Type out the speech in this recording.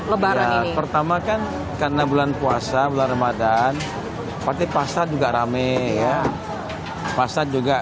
lebaran pertama kan karena bulan puasa bulan ramadhan pasti pasar juga rame ya pasar juga